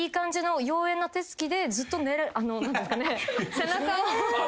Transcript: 背中を。